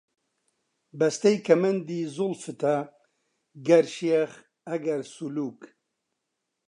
بەستەی کەمەندی زوڵفتە، گەر شێخ، ئەگەر سولووک